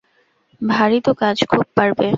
ভারি তো কাজ, খুব পারবে।